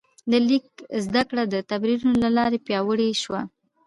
د لیک زده کړه د تمرینونو له لارې پیاوړې شوه.